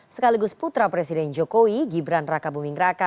sekaligus putra presiden jokowi gibran raka bumingraka